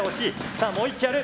さあもう１機やる。